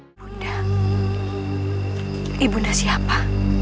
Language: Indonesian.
ibu bunda siapa